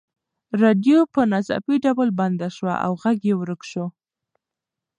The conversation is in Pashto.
راډیو په ناڅاپي ډول بنده شوه او غږ یې ورک شو.